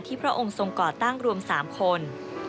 พระองค์ทรงก่อตั้งรวม๓คน